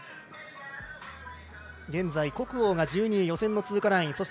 現在、谷奥が１２位予選の通過ライン。